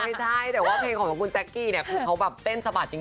ไม่ใช่แต่ว่าเพลงของคุณแจ๊กกี้เนี่ยคือเขาแบบเต้นสะบัดจริง